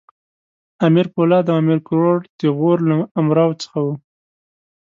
امیر پولاد او امیر کروړ د غور له امراوو څخه وو.